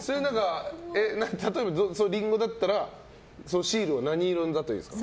例えば、リンゴだったらシールは何色だといいにですか？